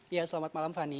ya selamat malam fani